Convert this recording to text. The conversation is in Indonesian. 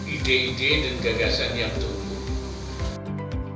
ide ide dan gagasan yang tumbuh